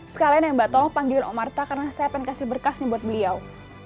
sekalian ya mbak tolong panggilin omarta karena saya pengen kasih berkas buat beliau